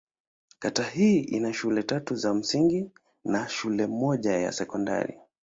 Kata hii ina shule tatu za msingi na shule moja ya sekondari.